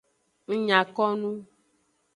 Ng nya ko nu.